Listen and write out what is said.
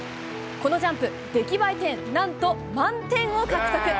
このジャンプ、出来栄え点、なんと満点を獲得。